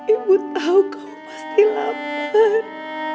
ibu tahu kau pasti lapar